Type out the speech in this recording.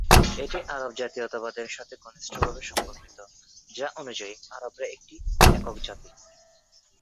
এটি আরব জাতীয়তাবাদের সাথে ঘনিষ্ঠভাবে সম্পর্কিত যা অনুযায়ী আরবরা একটি একক জাতি।